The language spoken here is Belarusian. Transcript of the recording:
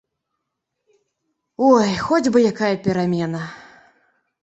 Ой, хоць бы якая перамена!